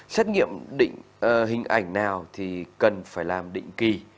xét nghiệm định hình ảnh nào thì cần phải làm định kỳ